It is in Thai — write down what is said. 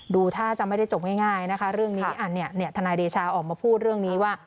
ดูท่าจะไม่ได้จบง่ายนะคะเรื่องนี้อันนี้ทนายเดชาออกมาพูดเรื่องนี้ว่า